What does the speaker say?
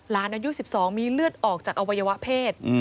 อายุ๑๒มีเลือดออกจากอวัยวะเพศ